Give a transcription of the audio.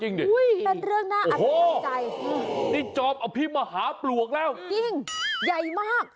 จริงดิโอ้โฮนี่จอมเอาพี่มาหาปลวกแล้วจริงใหญ่มาก